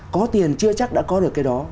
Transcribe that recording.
có tiền chưa chắc đã có được cái đó